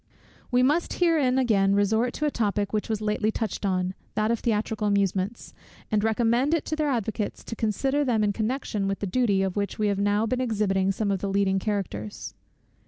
We must here again resort to a topic which was lately touched on, that of theatrical amusements; and recommend it to their advocates to consider them in connection with the duty, of which we have now been exhibiting some of the leading characters.